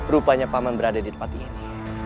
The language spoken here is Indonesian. rupanya paman berada di tempat ini